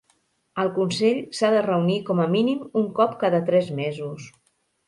El consell s'ha de reunir com a mínim un cop cada tres mesos.